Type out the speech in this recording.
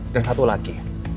dan satu lagi